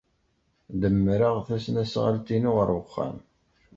Demmreɣ tasnasɣalt-inu ɣer uxxam.